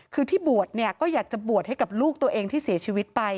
คือที่บวชเนี่ยก็อยากจะบวชให้กับลูกตัวเองที่เสียชีวิตไป